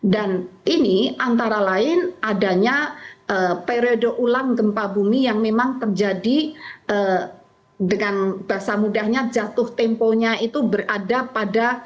dan ini antara lain adanya periode ulang gempa bumi yang memang terjadi dengan basa mudahnya jatuh temponya itu berada pada